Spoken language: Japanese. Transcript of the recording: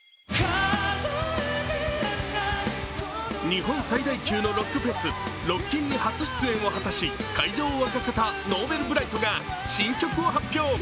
日本最大級のロックフェスロッキンに初出演を果たし会場を沸かせたＮｏｖｅｌｂｒｉｇｈｔが新曲を発表。